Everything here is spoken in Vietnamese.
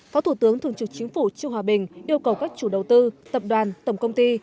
phó thủ tướng thường trực chính phủ chiêu hòa bình yêu cầu các chủ đầu tư tập đoàn tổng công ty